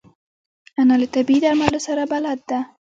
انا له طبیعي درملو سره بلد ده